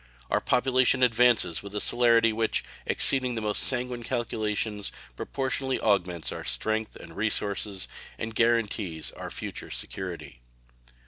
Our population advances with a celerity which, exceeding the most sanguine calculations, proportionally augments our strength and resources, and guarantees our future security.